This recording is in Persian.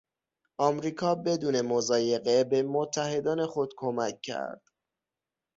امریکا بدون مضایقه به متحدان خود کمک کرد.